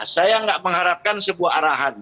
saya tidak mengharapkan sebuah arahan